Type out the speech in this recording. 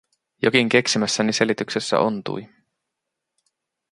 Jokin keksimässäni selityksessä ontui.